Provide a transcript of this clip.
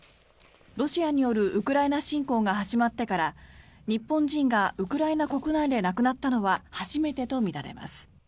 ロシアによるウクライナ侵攻が始まってから日本人がウクライナ国内で亡くなったのは初めてとみられます。